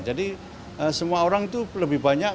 jadi semua orang itu lebih banyak